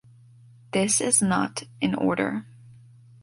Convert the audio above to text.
This is not in order.